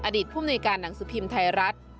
อดีตผู้มีในการหนังสือพิมพ์ไทยรัฐ